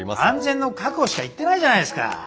安全の確保しか言ってないじゃないですか！